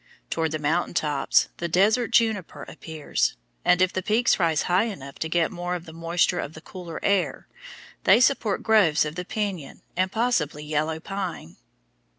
Toward the mountain tops the desert juniper appears; and if the peaks rise high enough to get more of the moisture of the cooler air, they support groves of the piñon and possibly yellow pine.